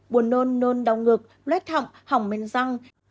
buồn nôn nôn đau ngực loét thọng hỏng mền răng